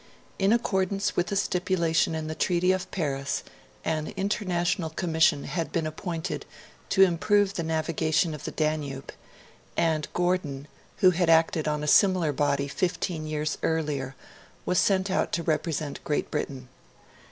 In accordance with a stipulation in the Treaty of Paris, an international commission had been appointed to improve the navigation of the Danube; and Gordon, who had acted on a similar body fifteen years earlier, was sent out to represent Great Britain.